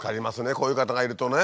こういう方がいるとね。